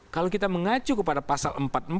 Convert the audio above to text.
kalau kita mengacu kepada pasal empat